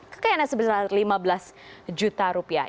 kekayaannya sebesar lima belas juta rupiah